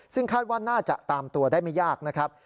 ซึ่งคาดว่าน่าจะตามตัวได้ไม่ยากนะครับ